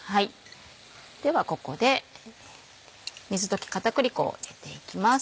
ではここで水溶き片栗粉を入れていきます。